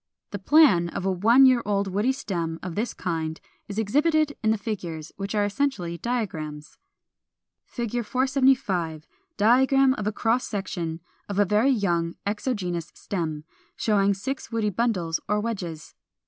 The plan of a one year old woody stem of this kind is exhibited in the figures, which are essentially diagrams. [Illustration: Fig. 475. Diagram of a cross section of a very young exogenous stem, showing six woody bundles or wedges.